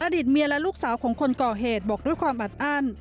อดีตเมียและลูกสาวของคนก่อเหตุบอกด้วยความอัดอั้น